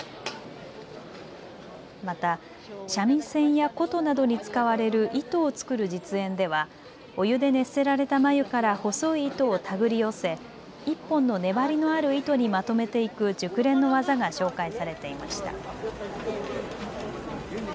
また、三味線や琴などに使われる糸を作る実演ではお湯で熱せられた繭から細い糸を手繰り寄せ１本の粘りのある糸にまとめていく熟練の技が紹介されていました。